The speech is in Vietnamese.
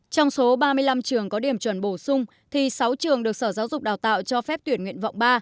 trong số ba mươi năm trường có điểm chuẩn bổ sung thì sáu trường được sở giáo dục đào tạo cho phép tuyển nguyện vọng ba